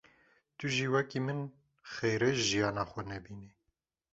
Tu jî wekî min xêrê ji jiyana xwe nebînî.